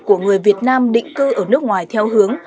của người việt nam định cư ở nước ngoài theo hướng